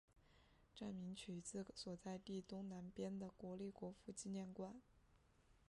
站名取自所在地东南边的国立国父纪念馆。